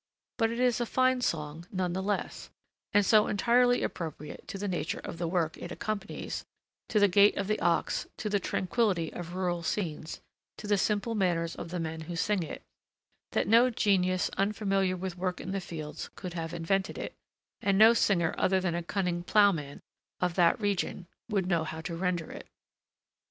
But it is a fine song none the less, and so entirely appropriate to the nature of the work it accompanies, to the gait of the ox, to the tranquillity of rural scenes, to the simple manners of the men who sing it, that no genius unfamiliar with work in the fields could have invented it, and no singer other than a cunning ploughman of that region would know how to render it.